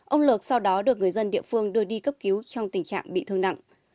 ông lược sau đó được người dân địa phương đưa đi cấp cứu trong tình trạng bị thương nặng